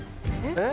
え？